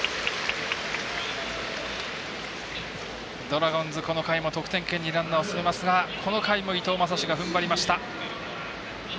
ドラゴンズ、この回も得点圏にランナーを進めますがこの回も伊藤将司がふんばりました。